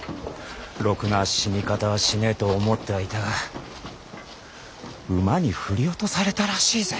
ろくな死に方はしねえと思ってはいたが馬に振り落とされたらしいぜ。